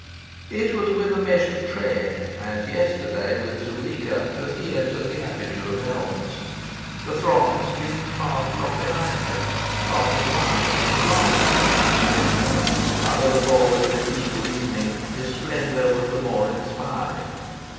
It was with a measured tread, as yesterday with Zuleika, that he entered the avenue of elms. The throng streamed past from behind him, parting wide, and marvelling as it streamed. Under the pall of this evil evening his splendour was the more inspiring.